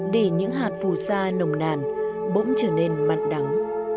để những hạt phù sa nồng nàn bỗng trở nên mặn đắng